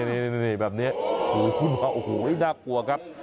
นี่แบบนี้โห้ยน่ากลัวครับ